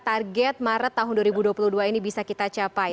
target maret tahun dua ribu dua puluh dua ini bisa kita capai